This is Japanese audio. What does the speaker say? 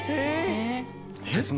えっ。